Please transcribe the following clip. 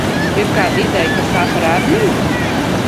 Ir kāda ideja, kas tā par armiju?